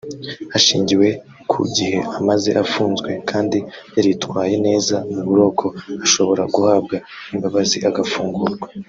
hashingiwe ku gihe amaze afunzwe kandi yaritwaye neza mu buroko ashobora guhabwa imbabazi agafungurwa